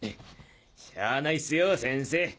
しゃないっスよ先生。